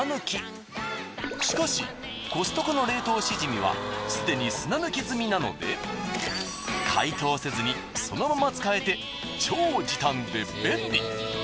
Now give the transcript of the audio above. しかしコストコの冷凍しじみはすでに解凍せずにそのまま使えて超時短で便利！